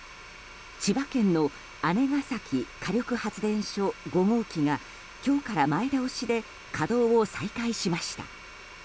千葉県の姉崎火力発電所５号機が今日から前倒しで稼働を再開しました。